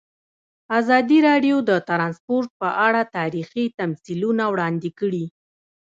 ازادي راډیو د ترانسپورټ په اړه تاریخي تمثیلونه وړاندې کړي.